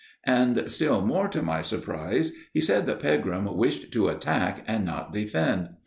And, still more to my surprise, he said that Pegram wished to attack and not defend.